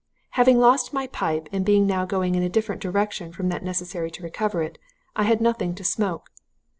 "Having lost my pipe, and being now going in a different direction from that necessary to recover it, I had nothing to smoke.